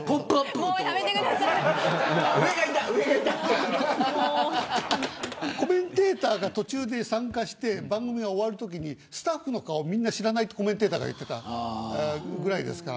もうやめてくださいコメンテーターが途中で参加して番組が終わるときにスタッフの顔、みんな知らないとコメンテーターが言っていたぐらいですから。